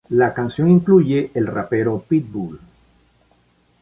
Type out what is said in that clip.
La canción incluye el rapero Pitbull.